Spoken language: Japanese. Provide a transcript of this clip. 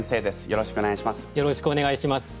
よろしくお願いします。